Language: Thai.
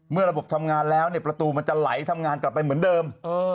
ระบบทำงานแล้วประตูมันจะไหลทำงานกลับไปเหมือนเดิม